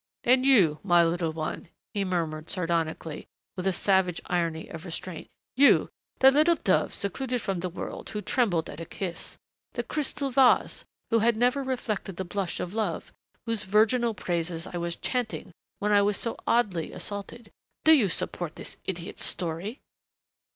"And you, my little one," he murmured sardonically with a savage irony of restraint, "you, the little dove secluded from the world, who trembled at a kiss, the crystal vase who had never reflected the blush of love, whose virginal praises I was chanting when I was so oddly assaulted, do you support this idiot's story?"